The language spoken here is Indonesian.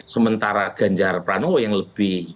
sementara ganjar pranowo yang lebih